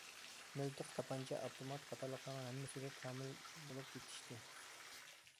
مىلتىق، تاپانچا، ئاپتومات قاتارلىقلارنىڭ ھەممىسىگە كامىل بولۇپ يېتىشتى.